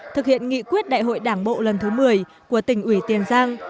thực hiện nghị quyết đại hội đảng bộ lần thứ một mươi của tỉnh ủy tiền giang